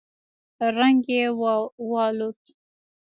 رنگ يې والوت.